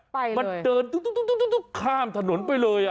มันเดินข้ามถนนไปเลยอ่ะ